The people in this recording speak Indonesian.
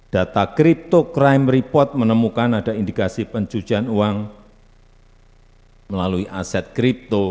data crypto crime report menemukan ada indikasi pencucian uang melalui aset kripto